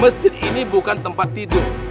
masjid ini bukan tempat tidur